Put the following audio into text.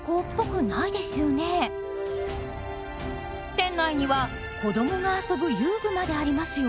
店内には子どもが遊ぶ遊具までありますよ。